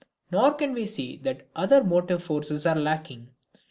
Nor can we say that other motive forces are lacking.